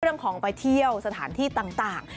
เรื่องของไปเที่ยวสถานที่ต่าง